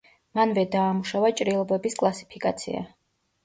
მანვე დაამუშავა ჭრილობების კლასიფიკაცია.